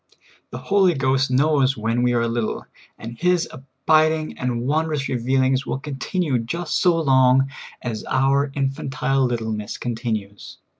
The Holy Ghost knows when w^e are little, and His abiding and wondrous revealings will continue just vSo long as our infantile littleness continues.